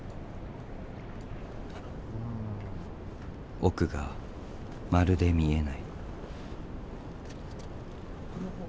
奥がまるで見えない。